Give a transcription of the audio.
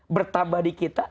bertambah di kita